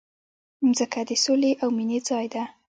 مځکه د سولې او مینې ځای ده.